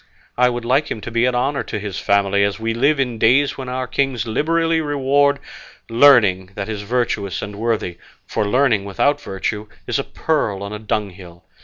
I would like him to be an honour to his family, as we live in days when our kings liberally reward learning that is virtuous and worthy; for learning without virtue is a pearl on a dunghill.